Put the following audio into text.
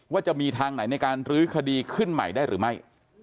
ว่าจะมีทางไหนในการรื้อคดีขึ้นใหม่ได้หรือไม่